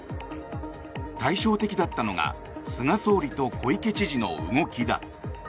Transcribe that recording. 対照的だったのが菅総理と小池知事の動きだ。